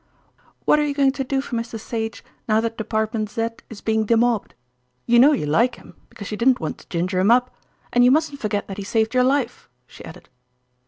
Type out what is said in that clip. "What are you going to do for Mr. Sage, now that Department Z is being demobbed? You know you like him, because you didn't want to ginger him up, and you mustn't forget that he saved your life," she added.